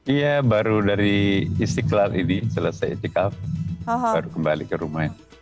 iya baru dari istiqlal ini selesai itikaf baru kembali ke rumah